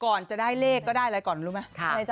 ก่อนจะได้เลขก็ได้อะไรก่อนรู้ไหม